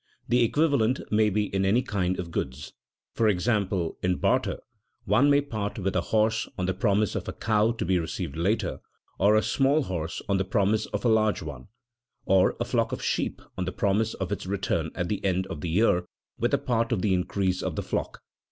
The equivalent may be in any kind of goods; for example, in barter one may part with a horse on the promise of a cow to be received later; or a small horse on the promise of a large one; or a flock of sheep on the promise of its return at the end of the year with a part of the increase of the flock.